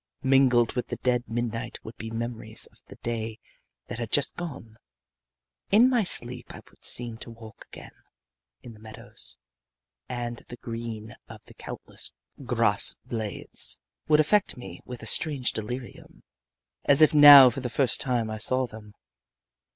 Mingled with the dead midnight would be memories of the day that had just gone. In my sleep I would seem to walk again in the meadows, and the green of the countless grass blades would affect me with a strange delirium as if now for the first time I saw them.